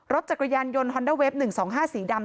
รถจักรยานยนต์ฮอนดาเวฟหนึ่งสองห้าสีดำ